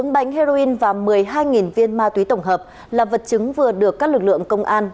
bốn bánh heroin và một mươi hai viên ma túy tổng hợp là vật chứng vừa được các lực lượng công an